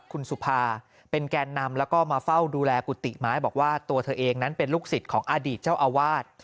คุณสุภาเป็นแกนนำแล้วก็มาเฝ้าดูแลกุฏิไม้บอกว่าตัวเธอเองนั้นเป็นลูกศิษย์ของอดีตเจ้าอาวาส